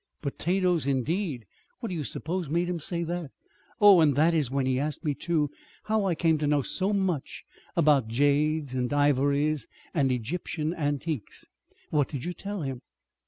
Potatoes, indeed! What do you suppose made him say that? Oh, and that is when he asked me, too, how I came to know so much about jades and ivories and Egyptian antiques." "What did you tell him?"